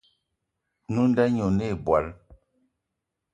Nwǐ nda ɲî oné̂ ìbwal